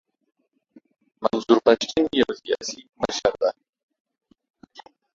منظور پښتین یو سیاسي مشر دی.